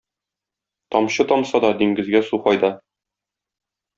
Тамчы тамса да, диңгезгә су файда.